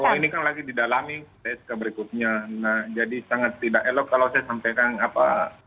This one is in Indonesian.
soal ini kan lagi didalami saya suka berikutnya nah jadi sangat tidak elok kalau saya sampaikan apa